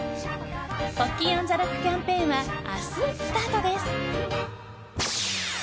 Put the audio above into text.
ポッキー・オン・ザ・ロックキャンペーンは明日スタートです。